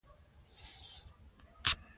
څه توپیر په لیکنه کې نه وینو؟